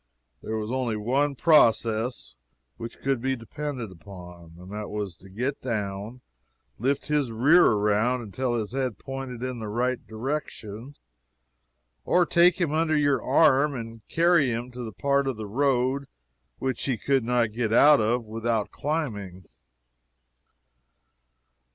There was only one process which could be depended on, and it was to get down and lift his rear around until his head pointed in the right direction, or take him under your arm and carry him to a part of the road which he could not get out of without climbing.